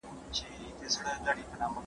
د نادانی عمر چي تېر سي نه راځینه